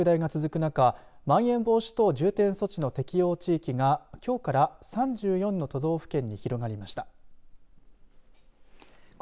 新型コロナウイルスの急速な拡大が続く中でまん延防止等重点措置の適用地域がきょうから３４の都道府県に広がりました。